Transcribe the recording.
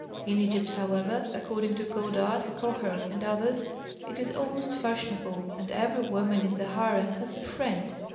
In Egypt, however, according to Godard, Kocher, and others, it is almost fashionable, and every woman in the harem has a "friend."